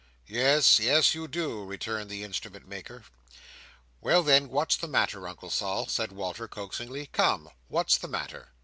"Yes, yes, you do," returned the Instrument maker. "Well then, what's the matter, Uncle Sol?" said Walter, coaxingly. "Come! What's the matter?"